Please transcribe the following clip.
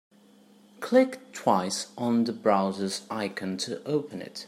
Click twice on the browser's icon to open it.